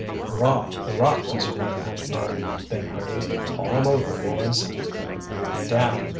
"Hurrah, the Rockleys are winning!" yelled Ben Hurdy. "Haul 'em over, boys!" "Down!"